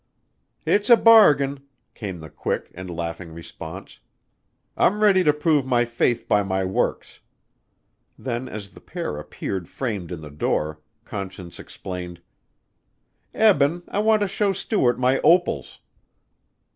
"It's a bargain," came the quick and laughing response. "I'm ready to prove my faith by my works." Then as the pair appeared framed in the door, Conscience explained, "Eben, I want to show Stuart my opals."